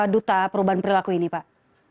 duta perubahan perilaku ini pak